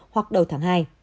hoặc đầu tháng hai